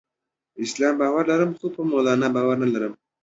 په اسلام باور لرم، خو په مولا باور نلرم.